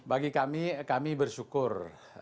bagi kami kami bersyukur